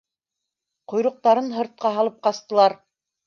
Ҡойроҡтарын һыртҡа һалып ҡастылар!